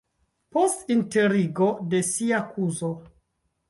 post enterigo de sia kuzo.